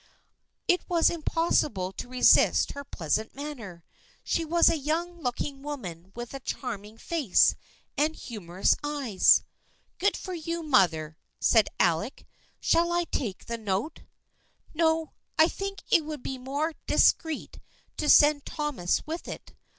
" It was impossible to resist her pleasant manner. She was a young looking woman with a charming face and humorous eyes. " Good for you, mother !" said Alec. " Shall I take the note?" " No, I think it would be more discreet to send Thomas with it.